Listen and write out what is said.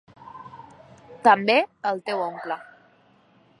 També el teu oncle.